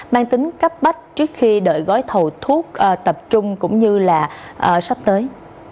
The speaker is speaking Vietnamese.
mang tính cấp bách trước khi đợi gói thầu thuốc tập trung cũng như là sắp tới